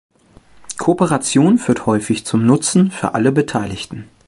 Kooperation führt häufig zum Nutzen für alle Beteiligten.